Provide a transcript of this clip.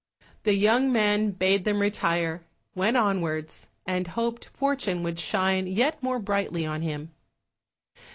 The young man bade them retire, went onwards, and hoped fortune would shine yet more brightly on him.